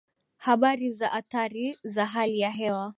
Habari za Athari za Hali ya Hewa